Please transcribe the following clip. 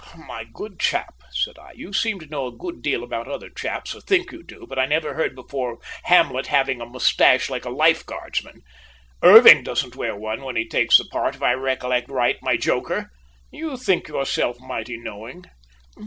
"My good chap," said I, "you seem to know a good deal about other chaps, or think you do, but I never heard before of Hamlet having a moustache like a life guardsman! Irving doesn't wear one when he takes the part, if I recollect right, my joker. You think yourself mighty knowing!"